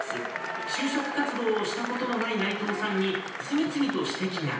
就職活動をしたことのない内藤さんに、次々と指摘が。